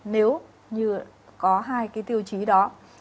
nếu như có hai cái tiêu chí đó